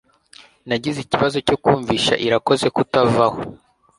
Nagize ikibazo cyo kumvisha Irakoze kutavaho